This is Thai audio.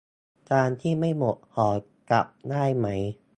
จานที่ไม่หมดห่อกลับได้ไหม